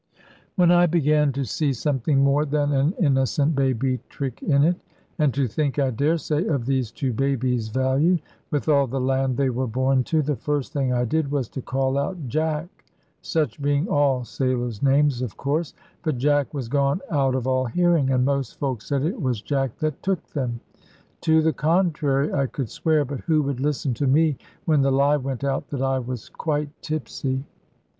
"When I began to see something more than an innocent baby trick in it, and to think (I daresay) of these two babies' value, with all the land they were born to, the first thing I did was to call out 'Jack!' such being all sailors' names, of course. But Jack was gone out of all hearing; and most folk said it was Jack that took them! To the contrary I could swear; but who would listen to me when the lie went out that I was quite tipsy?